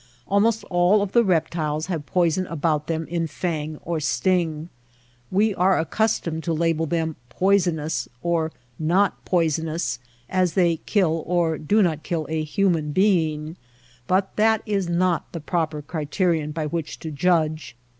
Almost all of the reptiles have poison about them in fang or sting. We are accus tomed to label them *^ poisonous " or ^^not poi sonous/^ as they kill or do not kill a human being ; but that is not the proper criterion by which to judge.